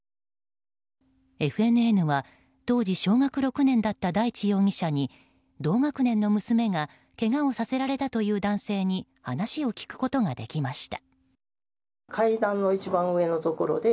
ＦＮＮは、当時小学６年だった大地容疑者に同学年の娘がけがをさせられたという男性に話を聞くことができました。